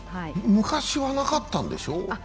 昔はなかったんでしょう？